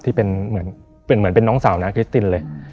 ที่เป็นเหมือนเป็นน้องสาวนาคริสตินเลย